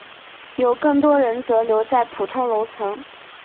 有更多人则留在普通楼层。